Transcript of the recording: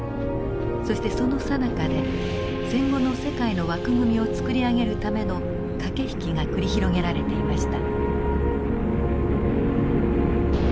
そしてそのさなかで戦後の世界の枠組みを作り上げるための駆け引きが繰り広げられていました。